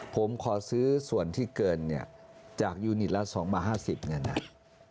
ผมขอซื้อส่วนที่เกินจากยูนิตละ๒บาท๕๐บาท